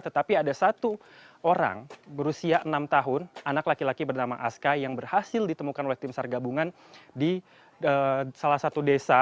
tetapi ada satu orang berusia enam tahun anak laki laki bernama aska yang berhasil ditemukan oleh tim sargabungan di salah satu desa